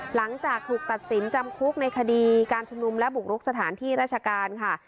หลังจากถูกตัดสินจำคุกในคดีการชุมนุมและบุกรุกสถานที่ราชการค่ะ